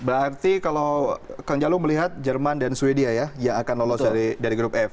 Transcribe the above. berarti kalau kang jaluh melihat jerman dan swedia ya akan lolos dari grup f